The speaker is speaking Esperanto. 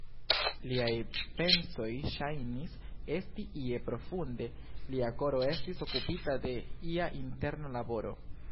Liaj pensoj ŝajnis esti ie profunde, lia koro estis okupita de ia interna laboro.